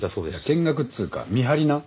見学っつうか見張りな。